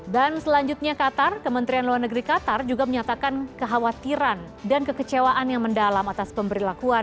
dan selanjutnya qatar kementerian luar negeri qatar juga menyatakan kekhawatiran dan kekecewaan yang mendalam atas pemberlakuan lawan